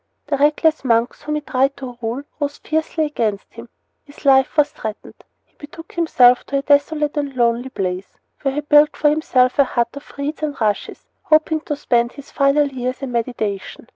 The reckless monks whom he tried to rule rose fiercely against him. His life was threatened. He betook himself to a desolate and lonely place, where he built for himself a hut of reeds and rushes, hoping to spend his final years in meditation.